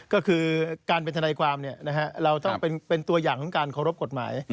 ก็คือการเป็นทนายความเราต้องเป็นตัวอย่างของการเคารพกฎหมาย